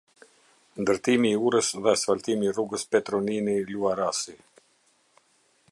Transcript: Ndërtimi i urës dhe asfaltimi i rrugës Petro Nini Luarasi